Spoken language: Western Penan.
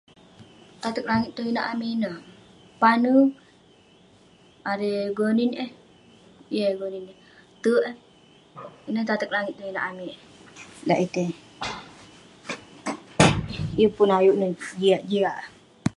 Ateg langit tong inak amik ineh, pane, erei..gonin eh, yeng eh gonin. Terk eh, ineh tateg langit tong inak amik lak itey. Yeng pun ayuk neh jiak jiak.